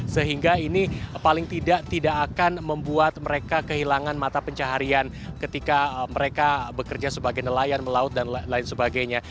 sehingga ini paling tidak tidak akan membuat mereka kehilangan mata pencaharian ketika mereka bekerja sebagai nelayan melaut dan lain sebagainya